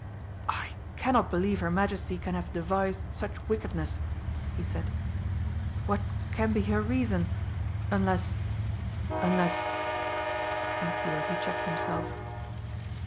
"I cannot believe her Majesty can have devised such wickedness!" he said. "What can be her reason unless unless " and here he checked himself.